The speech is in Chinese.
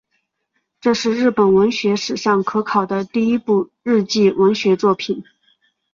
这是日本文学史上可考的第一部日记文学作品。